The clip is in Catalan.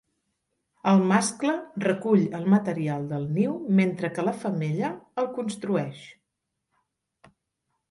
El mascle recull el material del niu mentre que la femella el construeix.